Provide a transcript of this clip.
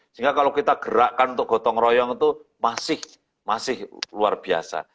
sehingga kalau kita gerakkan untuk gotong royong itu masih luar biasa